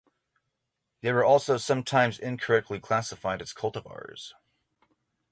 They were also sometimes incorrectly classified as cultivars.